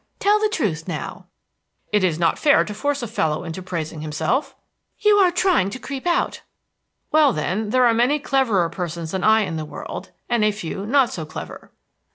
Tell the truth, now." "It is not fair to force a fellow into praising himself." "You are trying to creep out!" "Well, then, there are many cleverer persons than I in the world, and a few not so clever."